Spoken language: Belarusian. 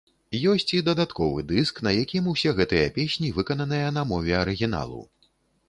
Ёсць і дадатковы дыск, на якім усе гэтыя песні выкананыя на мове арыгіналу.